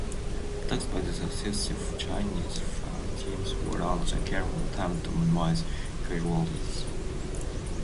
Attacks by the successive Chinese fireteams were also carefully timed to minimize casualties.